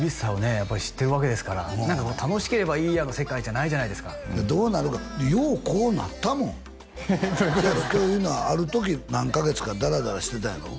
やっぱり知ってるわけですから「楽しければいいや」の世界じゃないじゃないですかどうなるかでようこうなったもんどういうことですか？というのはある時何カ月かダラダラしてたんやろ？